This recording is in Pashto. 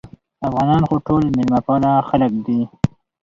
افغانان خو ټول مېلمه پاله خلک دي